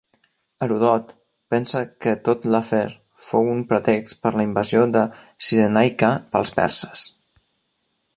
Heròdot pensa que tot l'afer fou un pretext per la invasió de Cirenaica pels perses.